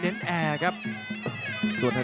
และแพ้๒๐ไฟ